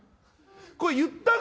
これ言ったか？